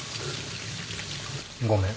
ごめん。